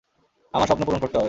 আমার স্বপ্ন পূরণ করতে হবে!